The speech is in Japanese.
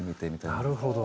なるほど。